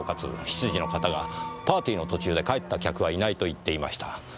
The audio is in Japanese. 執事の方がパーティーの途中で帰った客はいないと言っていました。